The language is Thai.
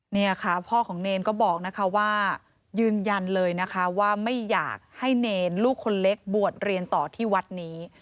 เนี่ยค่ะพ่อของเนรก็บอกนะคะว่ายืนยันเลยนะคะว่าไม่อยากให้เนรลูกคนเล็กบวชเรียนต่อที่วัดนี้